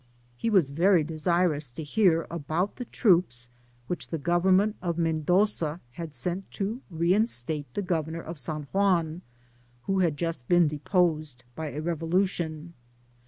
He was very desirous to hear about the ta*oops which the government of Mendoea had sent to reinstate the governor of San Juan, who had just been deposed by a revolution.